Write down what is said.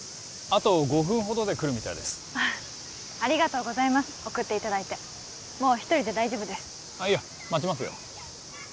あと５分ほどで来るみたいですありがとうございます送っていただいてもう一人で大丈夫ですあっいや待ちますよ